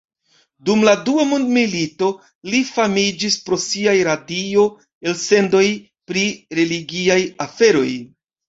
Dum la Dua mondmilito li famiĝis pro siaj radio-elsendoj pri religiaj aferoj.